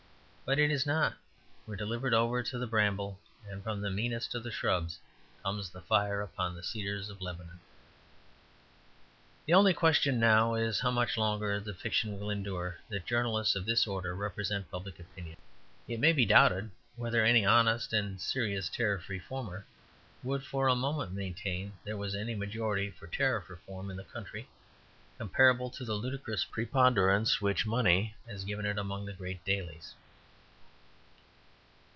But it is not. We are delivered over to the bramble, and from the meanest of the shrubs comes the fire upon the cedars of Lebanon. The only question now is how much longer the fiction will endure that journalists of this order represent public opinion. It may be doubted whether any honest and serious Tariff Reformer would for a moment maintain that there was any majority for Tariff Reform in the country comparable to the ludicrous preponderance which money has given it among the great dailies.